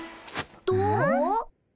どう？